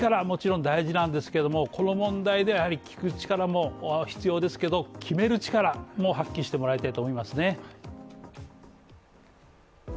もちろん大事なんですけどもこの問題であり聞く力も必要ですけど、決める力も発揮してもらいたいと思いますね。